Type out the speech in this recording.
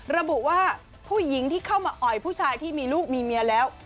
ระบุว่าผู้หญิงที่เข้ามาอ่อยผู้ชายที่มีลูกมีเมียแล้ว